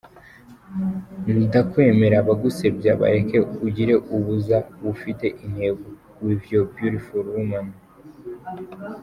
ndakwemera abagusebya bareke ugire ubuza bufite intego with yr beatful women.